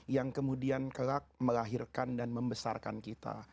yang kemudian kelak melahirkan dan membesarkan kita